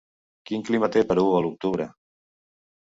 Quin clima té Perú a l'octubre